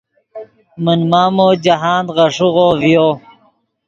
من مامو جاہند غیݰیغو ڤیو